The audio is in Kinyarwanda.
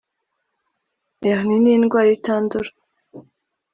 Hernie ni indwara itandura